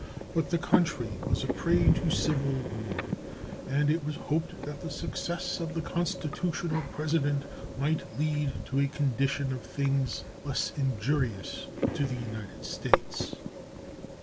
But the country was a prey to civil war, and it was hoped that the success of the constitutional President might lead to a condition of things less injurious to the United States.